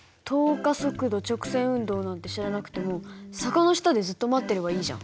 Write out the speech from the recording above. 加速度直線運動なんて知らなくても坂の下でずっと待っていればいいじゃん。